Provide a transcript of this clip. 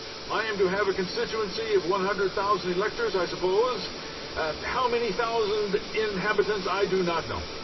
I am to have a constituency of 100,000 electors, I suppose. How many thousand inhabitants I do not know.